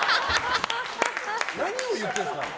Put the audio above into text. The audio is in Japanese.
何を言ってるんですか？